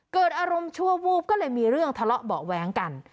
เกิดอารมณ์ชั่ววูบก็เลยมีเรื่องทะเลาะเบาะแว้งกัน